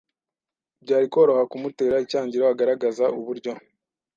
Byari koroha kumutera icyangiro agaragaza uburyo